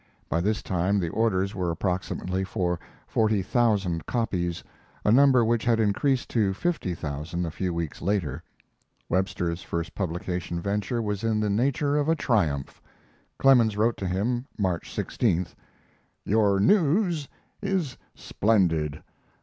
By this time the orders were approximately for forty thousand copies, a number which had increased to fifty thousand a few weeks later. Webster's first publication venture was in the nature of a triumph. Clemens wrote to him March 16th: "Your news is splendid.